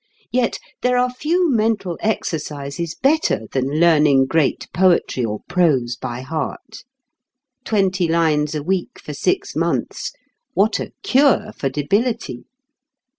Yet there are few mental exercises better than learning great poetry or prose by heart. Twenty lines a week for six months: what a "cure" for debility!